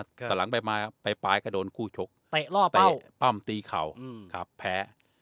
ต่อหลังไปไปไปก็โดนคู่ชกติ๊กรอเป้ามตีเข่าเค้าแพะ